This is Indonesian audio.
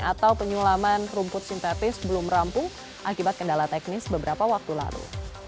atau penyulaman rumput sintetis belum rampung akibat kendala teknis beberapa waktu lalu